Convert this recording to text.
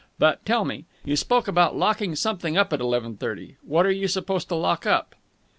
But, tell me. You spoke about locking up something at eleven thirty. What are you supposed to lock up?"